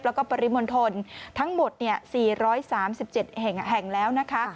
แล้วก็ปริมณฑลทั้งหมด๔๓๗แห่งแล้วนะคะ